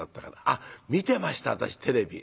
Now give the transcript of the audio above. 「あっ見てました私テレビ。